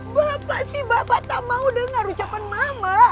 bapak sih bapak tak mau dengar ucapan mama